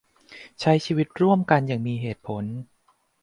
ใช้ชีวิตร่วมกันอย่างมีเหตุผล